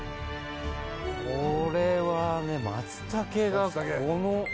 これはねマツタケがこの存在感。